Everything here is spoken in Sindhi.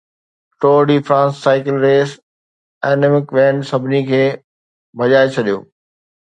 ٽور ڊي فرانس سائيڪل ريس اينمڪ وين سڀني کي ڀڄائي ڇڏيو